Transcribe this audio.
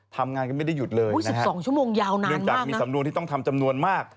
ทำงานกันไม่ได้หยุดเลย๑๒ชั่วโมงยาวนานเนื่องจากมีสำนวนที่ต้องทำจำนวนมาก